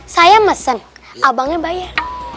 saya pesen abangnya bayar